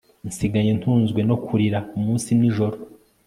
nsigaye ntunzwe no kurira umunsi n'ijoro